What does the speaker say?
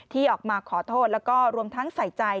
ที่ออกมาขอโทษแล้วก็รวมทั้งใส่ใจ